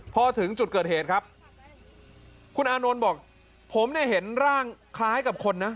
พอถึงจุดเกิดเหตุครับคุณอานนท์บอกผมเนี่ยเห็นร่างคล้ายกับคนนะ